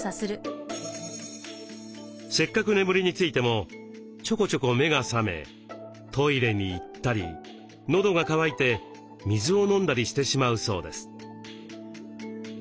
せっかく眠りについてもちょこちょこ目が覚めトイレに行ったり喉が渇いて水を飲んだりしてしまうそうです。